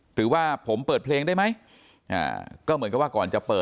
หรือว่าผมเปิดเพลงได้ไหมก็เหมือนกับว่าก่อนจะเปิด